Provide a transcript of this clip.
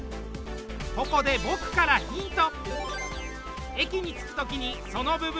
ここで僕からヒント！